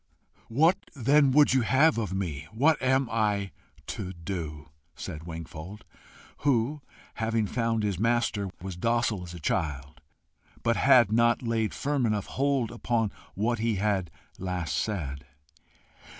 "What then would you have of me? what am I to DO?" said Wingfold, who, having found his master, was docile as a child, but had not laid firm enough hold upon what he had last said.